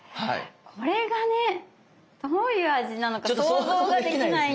これがねどういう味なのか想像ができないんだけど。